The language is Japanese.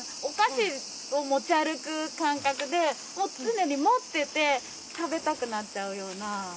お菓子を持ち歩く感覚でもう常に持ってて食べたくなっちゃうような。